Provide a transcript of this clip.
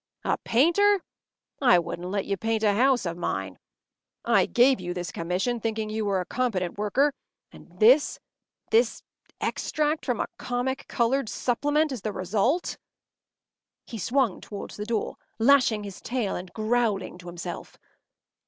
A painter! I wouldn’t let you paint a house of mine! I gave you this commission, thinking that you were a competent worker, and this—this—this extract from a comic coloured supplement is the result!” He swung towards the door, lashing his tail and growling to himself.